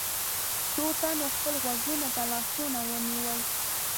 څو تنو خپلو غوږونو ته لاسونه ونيول.